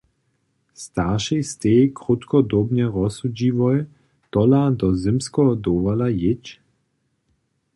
Staršej stej krótkodobnje rozsudźiłoj, tola do zymskeho dowola jěć?